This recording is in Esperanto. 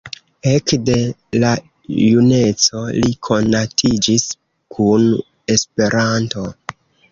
Ekde la juneco li konatiĝis kun Esperanto.